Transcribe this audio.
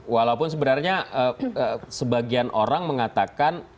walaupun sebenarnya sebagian orang mengatakan